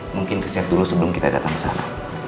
mungkin riset dulu sebelum kita datang ke sana